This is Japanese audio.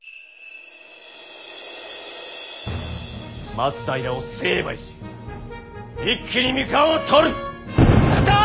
松平を成敗し一気に三河を取る！来た！